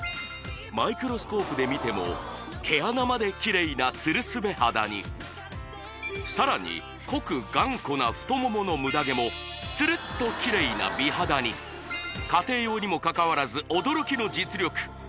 マイクロスコープで見ても毛穴までキレイなツルスベ肌にさらに濃く頑固な太もものムダ毛もツルっとキレイな美肌に家庭用にもかかわらず驚きの実力